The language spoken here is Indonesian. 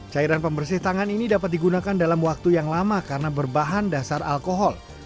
cairan pembersih tangan ini dapat digunakan dalam waktu yang lama karena berbahan dasar alkohol